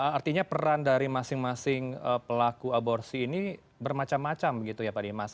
artinya peran dari masing masing pelaku aborsi ini bermacam macam begitu ya pak dimas